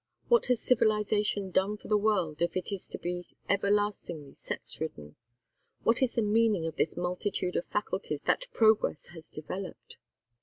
What has civilization done for the world if it is to be everlastingly sex ridden? What is the meaning of this multitude of faculties that progress has developed?